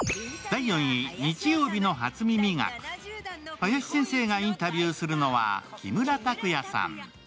林先生がインタビューするのは木村拓哉さん。